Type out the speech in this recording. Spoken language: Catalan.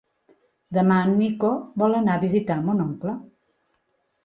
Demà en Nico vol anar a visitar mon oncle.